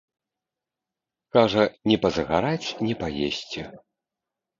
Кажа, ні пазагараць, ні паесці.